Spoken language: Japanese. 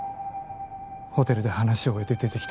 ホテルで話を終えて出てきた